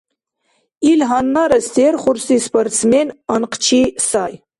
Ил гьаннара серхурси спортсмен, анхъчи сай.